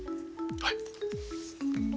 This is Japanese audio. はい。